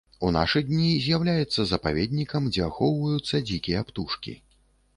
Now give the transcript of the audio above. У нашы дні з'яўляецца запаведнікам, дзе ахоўваюцца дзікія птушкі.